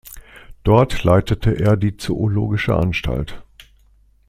Dort leitete er die Zoologische Anstalt.